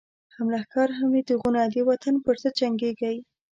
هم لښکر هم یی تیغونه، دوطن پر ضد جنګیږی